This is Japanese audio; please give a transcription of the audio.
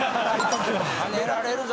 はねられるぞ。